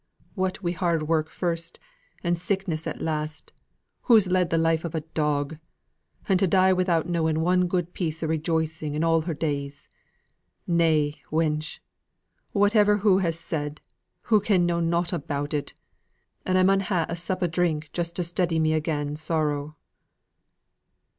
What wi' hard work first, and sickness at last, hoo' led the life of a dog. And to die without knowing one good piece o' rejoicing in all her days! Nay, wench, whatever hoo said, hoo can know nought about it now, and I mun ha' a sup o' drink just to steady me again sorrow."